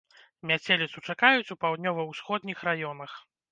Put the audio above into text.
Мяцеліцу чакаюць у паўднёва-ўсходніх раёнах.